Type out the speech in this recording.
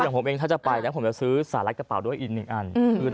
อย่างนี้ถ้าจะไปแล้วผมจะซื้อสารัสกระเป๋าด้วยอีกหนึ่งอันนึง